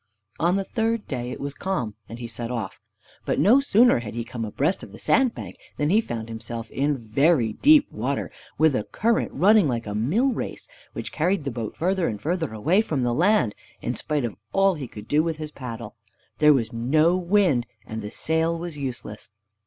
On the third day it was calm, and he set off. But no sooner had he come abreast of the sand bank than he found himself in very deep water, with a current running like a mill race, which carried the boat further and further away from the land, in spite of all that he could do with his paddle. There was no wind, and the sail was useless.